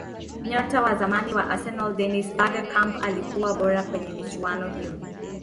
nyota wa zamani wa arsenal dennis bergkamp alikuwa bora kwenye michuano hiyo